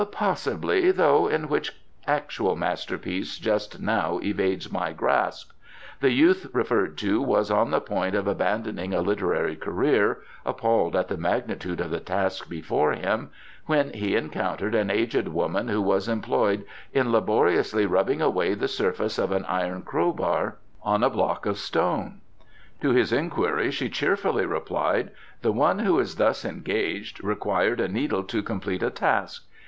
"Possibly, though in which actual masterpiece just now evades my grasp. The youth referred to was on the point of abandoning a literary career, appalled at the magnitude of the task before him, when he encountered an aged woman who was employed in laboriously rubbing away the surface of an iron crowbar on a block of stone. To his inquiry she cheerfully replied: 'The one who is thus engaged required a needle to complete a task.